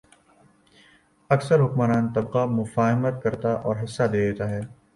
اکثر حکمران طبقہ مفاہمت کرتا اور حصہ دے دیتا ہے۔